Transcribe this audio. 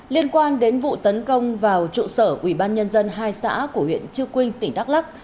liên quan đến vụ tấn công vào trụ sở ủy ban nhân dân hai xã của huyện chư quynh tỉnh đắk lắc